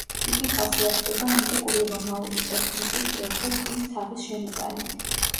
იგი ხასიათდება ანტიკური რომაული ტექნიკის, კერძოდ ქვის თაღის შემოტანით.